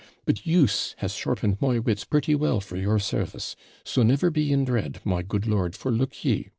But use has sharpened my wits pretty well for your service; so never be in dread, my good lord for look ye!'